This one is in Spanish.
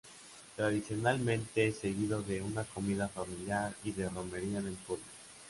Tradicionalmente, seguido de una comida familiar y de romería en el pueblo.